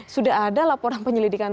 sudah ada laporan penyelidikan